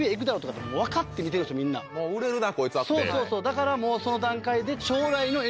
だからもうその段階で。